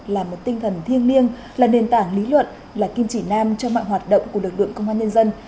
là một tinh thần thiêng liêng là nền tảng lý luận là kim chỉ nam cho mọi hoạt động của lực lượng công an nhân dân